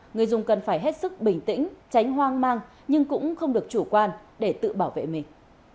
người dùng cần phải hết sức bình tĩnh tránh hoang mang nhưng cũng không được chủ quan để tự bảo vệ mình